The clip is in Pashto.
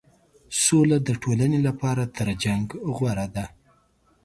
سوله د ټولنې لپاره تر جنګ غوره ده.